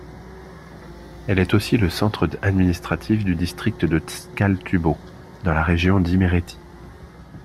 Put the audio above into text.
Elle est aussi le centre administratif du district de Tskhaltubo, dans la région d'Iméréthie.